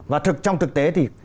và trong thực tế thì